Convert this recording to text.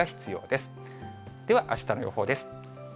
では、あしたの予報です。